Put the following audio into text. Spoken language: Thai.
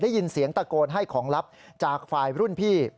ได้ยินเสียงตะโกนให้ของลับจากฝ่ายรุ่นพี่